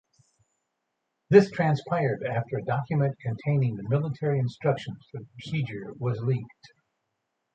This transpired after a document containing the military instructions for the procedure was leaked.